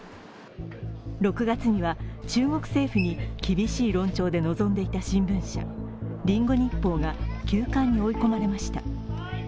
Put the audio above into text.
６月には、中国政府に厳しい論調で臨んでいた新聞社、「リンゴ日報」が休刊に追い込まれました。